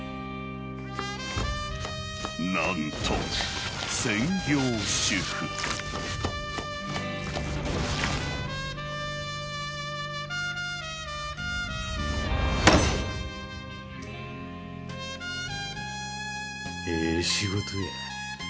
なんと専業主夫ええ仕事や。